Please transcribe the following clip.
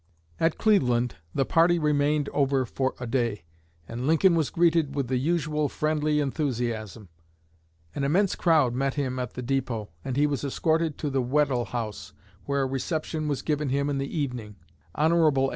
At Cleveland the party remained over for a day, and Lincoln was greeted with the usual friendly enthusiasm. An immense crowd met him at the depot, and he was escorted to the Weddell House, where a reception was given him in the evening. Hon.